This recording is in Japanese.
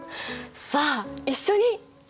さあ一緒に！